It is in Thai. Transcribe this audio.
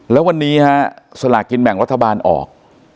แล้ววันนี้ฮะสลากินแบ่งรัฐบาลออก